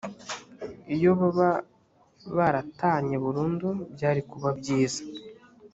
iyo baba baratanye burundu byari kuba byiza